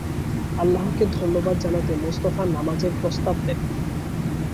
আল্লাহকে ধন্যবাদ জানাতে মোস্তফা নামাজের প্রস্তাব দেন।